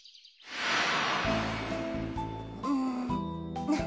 うん。